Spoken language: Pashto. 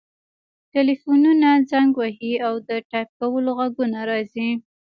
ټیلیفونونه زنګ وهي او د ټایپ کولو غږونه راځي